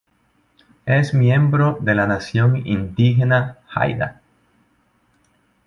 Es miembro de la nación indígena Haida.